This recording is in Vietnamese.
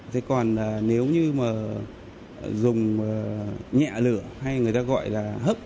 thế còn nếu như mà dùng nhẹ lửa hay người ta gọi là hấp